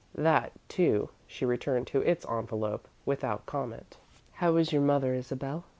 That, too, she returned to its envelope without comment. "How is your mother, Isabel?"